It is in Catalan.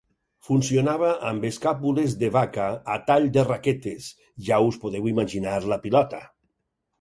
Funcionava amb escàpules de vaca a tall de raquetes, ja us podeu imaginar la pilota.